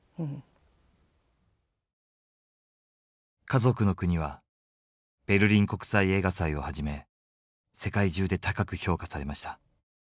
「かぞくのくに」はベルリン国際映画祭をはじめ世界中で高く評価されました。